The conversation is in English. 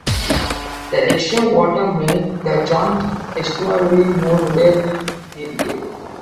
The extra water made the joint estuary more reliably navigable.